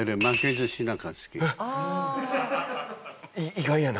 意外やな。